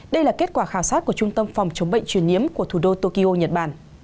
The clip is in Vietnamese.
đây là kết quả khảo sát của trung tâm phòng chống bệnh truyền nhiễm của thủ đô tokyo nhật bản